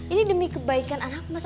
ini demi kebaikan anak mas